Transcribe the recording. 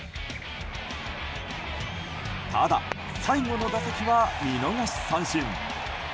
ただ、最後の打席は見逃し三振。